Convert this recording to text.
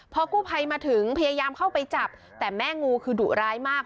พอกู้ภัยมาถึงพยายามเข้าไปจับแต่แม่งูคือดุร้ายมาก